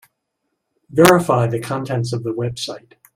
Verify the contents of the website.